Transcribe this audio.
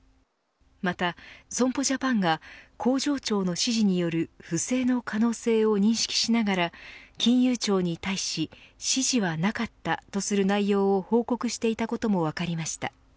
また損保ジャパンが工場長の指示による不正の可能性を認識しながら金融庁に対し、指示はなかったとする内容を報告していたことも分かりました。